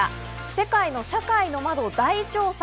世界の社会の窓を大調査。